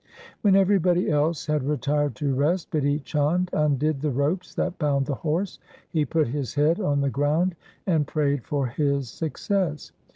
When everybody else had retired to rest, Bidhi Chand undid the ropes that bound the horse. He put his head on the ground and prayed for his success.